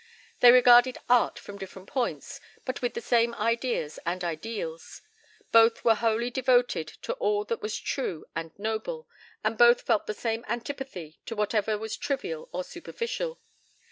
They regarded art from different points, but with the same ideas and ideals. Both were wholly devoted to all that was true and noble, and both felt the same antipathy to whatever was trivial or superficial.